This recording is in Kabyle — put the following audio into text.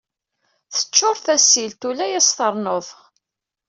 Teččuṛ tasilt, ula yas-ternuḍ!